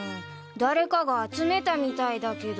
誰かが集めたみたいだけど。